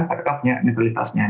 adakah punya neutralitasnya